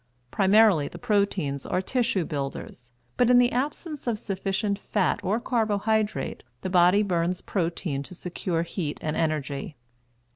Primarily the proteins are tissue builders, but in the absence of sufficient fat or carbohydrate the body burns protein to secure heat and energy.